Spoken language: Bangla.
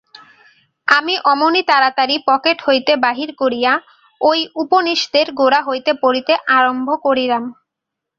আমি অমনি তাড়াতাড়ি পকেট হইতে বাহির করিয়া ঐ উপনিষদের গোড়া হইতে পড়িতে আরম্ভ করিলাম।